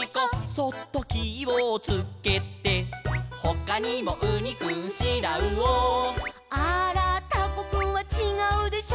「そっときをつけて」「ほかにもウニくんシラウオ」「あーらータコくんはちがうでしょ」